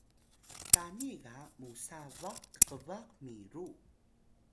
qani ga musa baq tqbaq miru